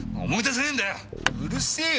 うるせえよ